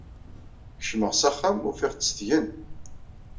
Kecmeɣ s axxam, afeɣ-tt tgen.